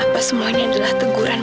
apa semuanya adalah teguranmu